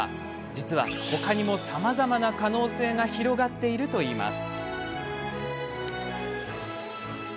実は他にもさまざまな可能性が広がっているといいます。